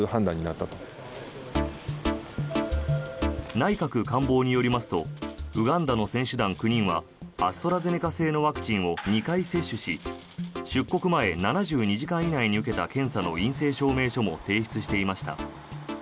内閣官房によりますとウガンダの選手団９人はアストラゼネカ製のワクチンを２回接種し出国前７２時間以内に受けた検査の陰性証明書も提出していました。